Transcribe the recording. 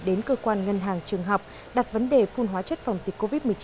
đến cơ quan ngân hàng trường học đặt vấn đề phun hóa chất phòng dịch covid một mươi chín